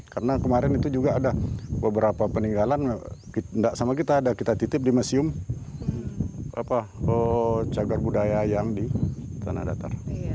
karena kemarin itu juga ada beberapa peninggalan tidak sama kita ada kita titip di museum jaga budaya yang di tanah datar